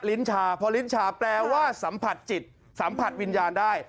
ลิ้นชาพอลิ้นชาแปลว่าสัมผัสจิตสัมผัสวิญญาณได้